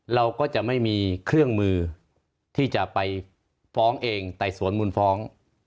เราก็จะไม่มีเครื่องมือที่จะไปฟ้องเองไต่สวนมูลฟ้อง